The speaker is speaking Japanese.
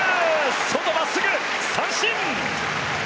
外、真っすぐ、三振！